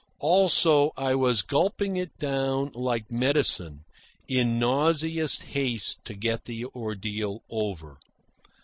Also, I was gulping it down like medicine, in nauseous haste to get the ordeal over.